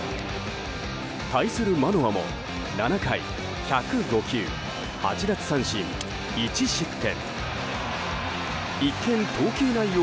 対するマノアも７回１０５球８奪三振１失点。